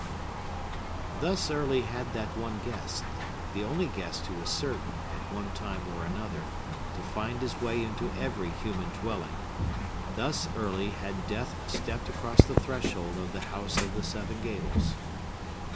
Thus early had that one guest,—the only guest who is certain, at one time or another, to find his way into every human dwelling,—thus early had Death stepped across the threshold of the House of the Seven Gables!